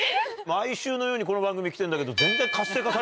毎週のようにこの番組来てんだけど。